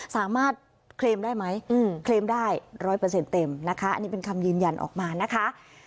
สามารถเคลมได้ไหมเคลมได้๑๐๐เต็มนะคะอันนี้เป็นคำยืนยันออกมานะคะ